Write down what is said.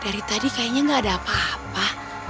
dari tadi kayaknya nggak ada apa apa